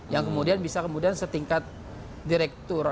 yang kemudian bisa kemudian setingkat direktur